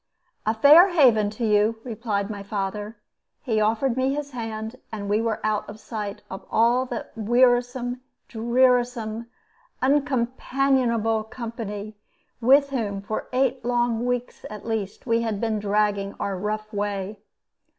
"A fair haven to you!" replied my father. He offered me his hand, and we were out of sight of all that wearisome, drearisome, uncompanionable company with whom, for eight long weeks at least, we had been dragging our rough way.